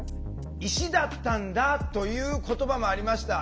「石だったんだ」という言葉もありました。